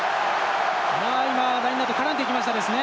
今、ラインアウト絡んでいきましたね。